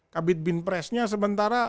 kabit binpress nya sementara